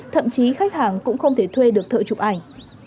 thậm chí khách hàng cũng không thể thuê được thợ chụp ảnh